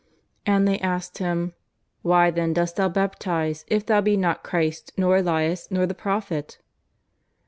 And they asked him :" Why then dost thou baptize if thou be not Christ nor Elias nor the Prophet?"